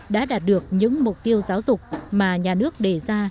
đã đạt được những mục tiêu giáo dục mà nhà nước đề ra